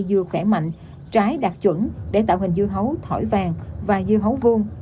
đều khẽ mạnh trái đạt chuẩn để tạo hình dưa hấu thổi vàng và dưa hấu vuông